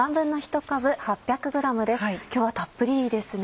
今日はたっぷりですね。